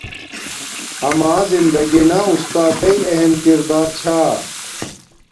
آما زندگی نا اُُستاتݵ اہم کردار چھا